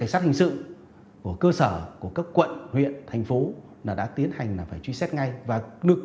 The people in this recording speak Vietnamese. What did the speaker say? cảnh sát hình sự của cơ sở của các quận huyện thành phố đã tiến hành phải truy xét ngay và lực